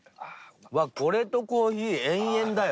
うわっこれとコーヒー延々だよ。